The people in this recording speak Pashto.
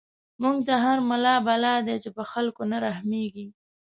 موږ ته هر ملا بلا دی، چی په خلکو نه رحميږی